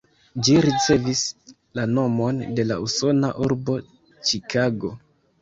Ĝi ricevis la nomon de la usona urbo Ĉikago.